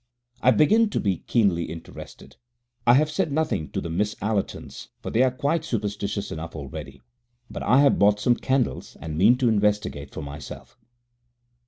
I begin to be keenly interested. I have said nothing to the Miss Allertons, for they are quite superstitious enough already, but I have bought some candles, and mean to investigate for myself.